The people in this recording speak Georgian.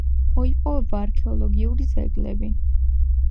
მოიპოვება არქეოლოგიური ძეგლები.